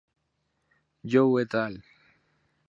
You "et al.